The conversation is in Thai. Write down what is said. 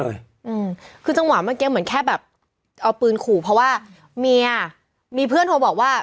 อืมคือจังหวะเมื่อกี้เหมือนแค่แบบเอาปืนขู่เพราะว่าเมียมีเพื่อนโทรบอกว่า